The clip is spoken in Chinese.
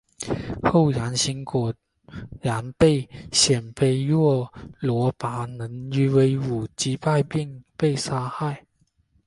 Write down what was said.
后杨欣果然被鲜卑若罗拔能于武威击败并被杀害。